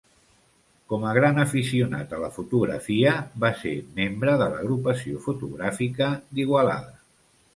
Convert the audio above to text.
Com a gran aficionat a la fotografia, va ser membre de l'Agrupació Fotogràfica d'Igualada.